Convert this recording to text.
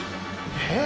えっ？